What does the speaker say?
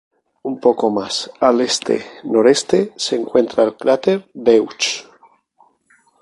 Un poco más al este-noreste se encuentra el cráter Deutsch.